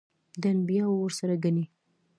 د انبیاوو ورثه ګڼي.